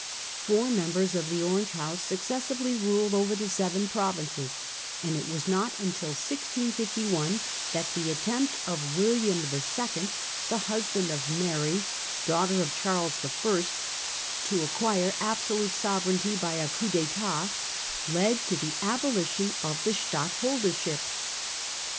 Four members of the Orange house suces sively ruled over the Seven Provinces, and it was not until 1651 that the attempt of William II., the husband of Mary, daughter of Charles I., to acquire absolute sovereignty by a coup (tttat, led to the abolition of the stadtholdership.